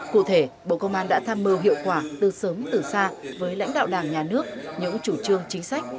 cụ thể bộ công an đã tham mưu hiệu quả từ sớm từ xa với lãnh đạo đảng nhà nước những chủ trương chính sách